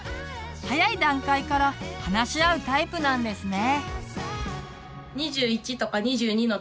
早い段階から話し合うタイプなんですね。